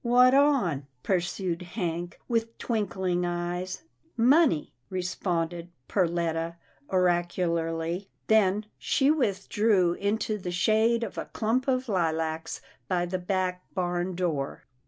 " What on ?" pursued Hank, with twinkling eyes. 288 'TILDA JANE'S ORPHANS " Money," responded Perletta oracularly, then she withdrew into the shade of a clump of lilacs by the back barn door.